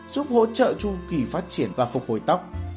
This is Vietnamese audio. giúp hỗ trợ chu kỳ phát triển và phục hồi tóc